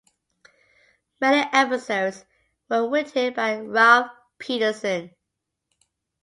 Many episodes were written by Ralph Peterson.